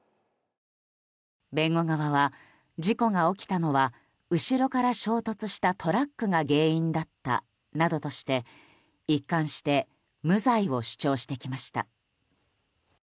弁護側は、事故が起きたのは後ろから衝突したトラックが原因だったなどとして、一貫して無罪を主張してきました。